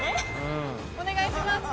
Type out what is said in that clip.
お願いします。